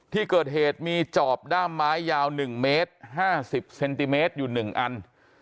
ที่เกิดเหตุมีจอบด้ามไม้ยาว๑เมตร๕๐เซนติเมตรอยู่๑อัน